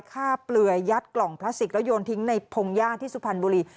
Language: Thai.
เปลือยยัดกล่องพลาสติกแล้วโยนทิ้งในพงหญ้าที่สุพรรณบุรี